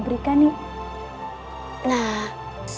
apa benda ini mau